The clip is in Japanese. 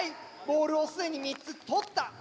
ボールをすでに３つ取った。